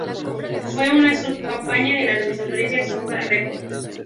Fue una sub-compañía de la desaparecida "Zomba Records".